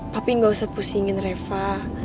papi enggak usah pusingin reva